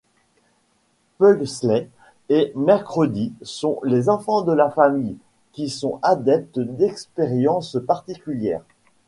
Pugsley et Mercredi sont les enfants de la famille, qui sont adeptes d'expériences particulières.